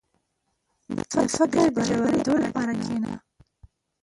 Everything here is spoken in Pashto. • د فکر د ژورېدو لپاره کښېنه.